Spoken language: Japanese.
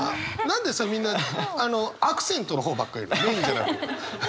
何でさみんなアクセントの方ばっかりメインじゃなく。